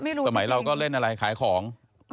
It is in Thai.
สมัยเราก็เล่นอะไรขายของ